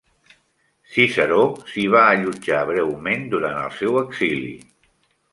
Ciceró s'hi va allotjar breument durant el seu exili.